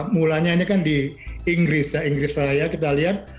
mulanya ini kan di inggris ya inggris raya kita lihat